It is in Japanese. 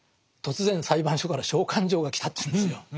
突然裁判所から召喚状が来たというんですよ。